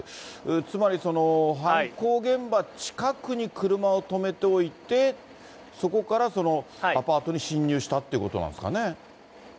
つまり犯行現場近くに車を止めておいて、そこからそのアパートに侵入したということなんですかね。